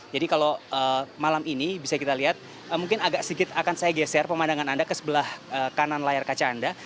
jadi kalau malam ini bisa kita lihat mungkin agak sedikit akan saya geser pemandangan anda ke sebelah kanan layar kaca anda